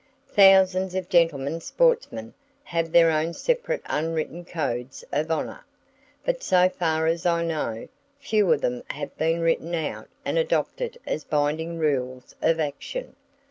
Thousands of gentlemen sportsmen have their own separate unwritten codes of honor, but so far as I know, few of them have been written out and adopted as binding rules of action.